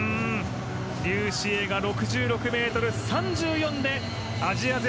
リュウ・シエイが６６ｍ３４でアジア勢